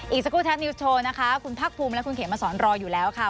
อีกสักครู่แท็นิวส์โชว์นะคะคุณพักภูมิและคุณเขมมาสอนรออยู่แล้วค่ะ